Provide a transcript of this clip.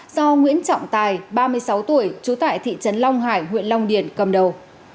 do nguyễn trọng tài ba mươi sáu tuổi trú tại thị trấn long hải huyện long điền cầm đầu